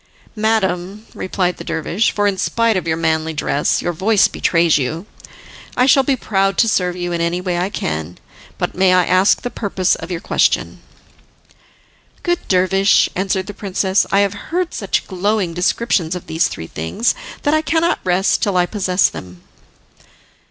"Madam," replied the dervish, "for in spite of your manly dress your voice betrays you, I shall be proud to serve you in any way I can. But may I ask the purpose of your question?" "Good dervish," answered the princess, "I have heard such glowing descriptions of these three things, that I cannot rest till I possess them."